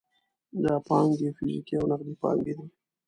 دا پانګې فزیکي او نغدي پانګې دي.